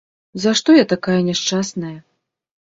За што я такая няшчасная!